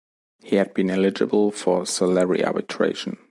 He had been eligible for salary arbitration.